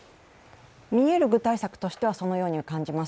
見える具体策としてはそのように感じます。